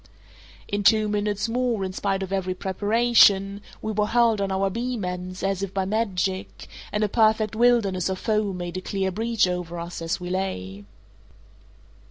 In two minutes more, in spite of every preparation, we were hurled on our beam ends, as if by magic, and a perfect wilderness of foam made a clear breach over us as we lay.